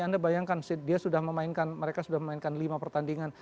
anda bayangkan mereka sudah memainkan lima pertandingan